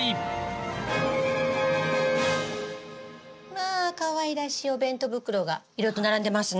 まあかわいらしいお弁当袋がいろいろと並んでますね。